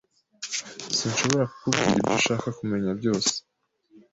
Sinshobora kukubwira ibyo ushaka kumenya byose.